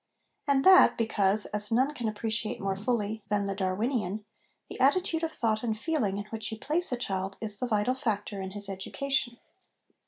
And that, because, as none can appreciate more fully than the ' Darwinian,' the attitude of thought and feeling in which you place a child is the vital factor in his education.